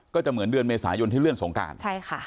ก็จะเหมือนเดือนเมษายนที่เลื่อนสงการใช่ค่ะ